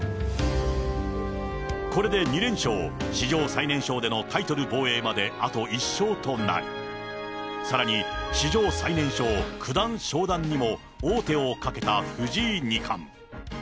これで２連勝、史上最年少でのタイトル防衛まであと１勝となり、さらに史上最年少九段昇段にも王手をかけた藤井二冠。